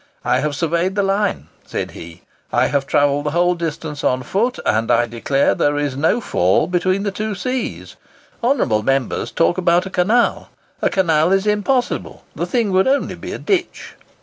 "I have surveyed the line," said he, "I have travelled the whole distance on foot, and I declare there is no fall between the two seas. Honourable members talk about a canal. A canal is impossible—the thing would only be a ditch."